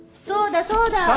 そうだそうだ！